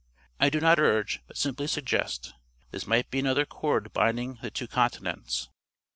I do not urge, but simply suggest. This might be another cord binding the two continents.